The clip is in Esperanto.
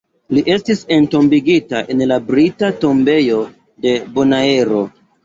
Li estis entombigita en la Brita Tombejo de Bonaero.